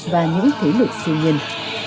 và những thế giới thần linh